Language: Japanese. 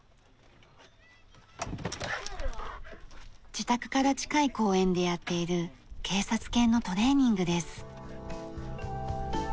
自宅から近い公園でやっている警察犬のトレーニングです。